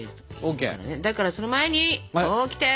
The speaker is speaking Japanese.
だからその前にオキテ！